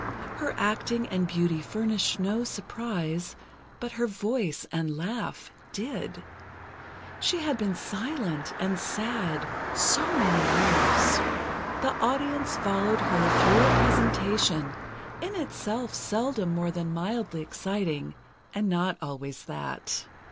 Her acting and beauty furnished no surprise, but her voice and laugh did; she had been silent, and sad, so many years. The audience followed her through a presentation, in itself seldom more than mildly exciting, and not always that.